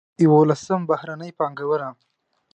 یولسم: بهرنۍ پانګونه.